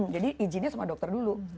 jadi izinnya sama dokter dulu